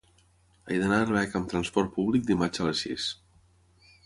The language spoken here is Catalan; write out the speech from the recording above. He d'anar a Arbeca amb trasport públic dimarts a les sis.